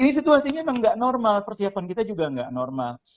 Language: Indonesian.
ini situasinya memang gak normal persiapan kita juga gak normal